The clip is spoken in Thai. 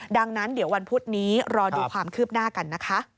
ดังนั้นเดี๋ยววันพุธนี้รอดูความคืบหน้ากันนะคะ